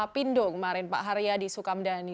pindo kemarin pak haryadi sukamdhani